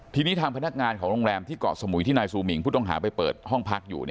ทีนี้ทางพนักงานของโรงแรมที่เกาะสมุยที่นายซูมิงผู้ต้องหาไปเปิดห้องพักอยู่